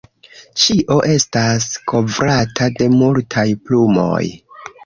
Ĉio estas kovrata de multaj plumoj.